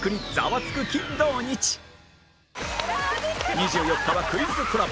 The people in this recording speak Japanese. ２４日はクイズコラボ